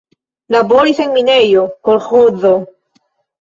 Laboris en minejo, kolĥozo.